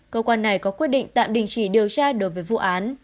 cơ quan này có quyết định tạm đình chỉ điều tra đối với vụ án